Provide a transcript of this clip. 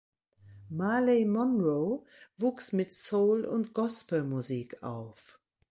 Marley Munroe wuchs mit Soul und Gospelmusik auf.